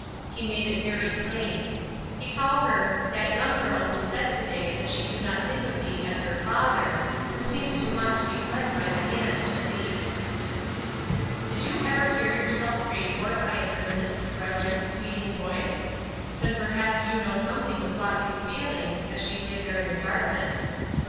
He made it very plain. He called her "that young girl who said to day that she could not think of thee as her Father; who seems to want to be led by the hand to thee." Did you ever hear yourself prayed for by an earnest, reverent, pleading voice? Then perhaps you know something of Flossy's feelings as she lay there in the darkness.